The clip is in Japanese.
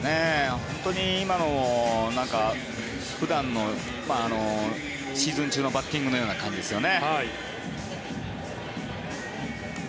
本当に今の普段のシーズン中のバッティングのような感じですよね。